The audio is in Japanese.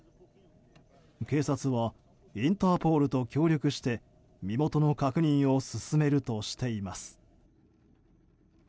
警察はインターポールと協力して身元の確認を進めるとしています。